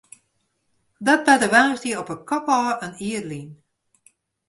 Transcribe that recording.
Dat barde woansdei op 'e kop ôf in jier lyn.